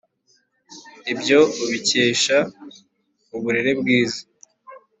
ibyo ubikesha uburere bwiza.